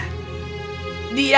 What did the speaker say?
kau tidak bahagia